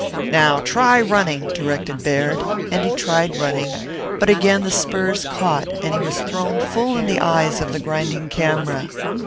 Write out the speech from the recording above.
"Now try running." directed Baird, and he tried running; but again the spurs caught and he was thrown full in the eyes of the grinding camera.